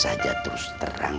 saja terus terang